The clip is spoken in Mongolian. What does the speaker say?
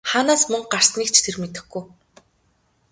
Хаанаас мөнгө гарсныг ч тэр мэдэхгүй!